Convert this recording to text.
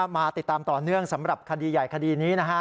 มาติดตามต่อเนื่องสำหรับคดีใหญ่คดีนี้นะฮะ